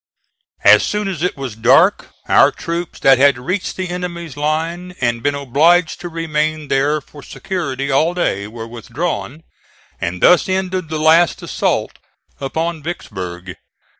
As soon as it was dark our troops that had reached the enemy's line and been obliged to remain there for security all day, were withdrawn; and thus ended the last assault upon Vicksburg.